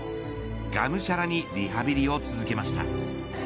がむしゃらにリハビリを続けました。